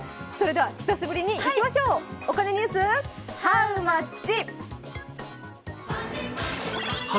久しぶりにいきましょう、お金ニュース、ハウマッチ！